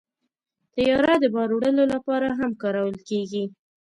طیاره د بار وړلو لپاره هم کارول کېږي.